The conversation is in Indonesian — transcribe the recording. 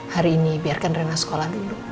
hari ini biarkan rena sekolah dulu